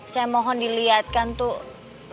saya mohon dilihatkan tuh